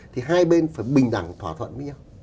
thì hai bên phải bình đẳng thỏa thuận với nhau